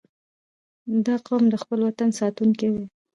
• دا قوم د خپل وطن ساتونکي دي.